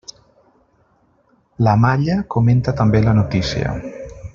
La Malla comenta també la notícia.